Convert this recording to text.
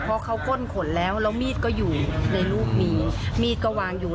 เพราะเขาก้นขนแล้วแล้วมีดก็อยู่ในลูกมีมีดก็วางอยู่